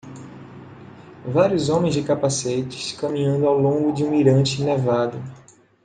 Vários homens de capacetes caminhando ao longo de um mirante nevado.